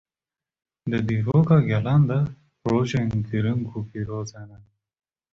Di dîroka gelan de rojên girîng û pîroz hene.